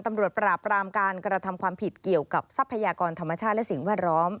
ตำรวจปราบรามการกระทำความผิดเกี่ยวกับทรัพยากรธรรมชาติและสิ่งแวดล้อม